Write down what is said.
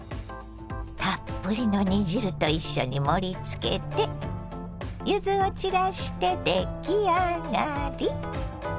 たっぷりの煮汁と一緒に盛りつけて柚子を散らして出来上がり。